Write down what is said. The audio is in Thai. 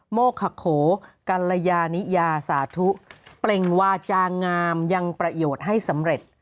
โมขโขกัลยานิยาสาธุเปล่งวาจางามยังประโยชน์ให้สำเร็จ